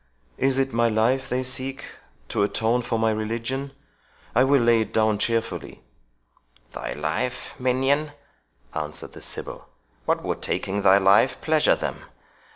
Is it my life they seek, to atone for my religion? I will lay it down cheerfully." "Thy life, minion?" answered the sibyl; "what would taking thy life pleasure them?